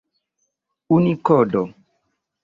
unikodo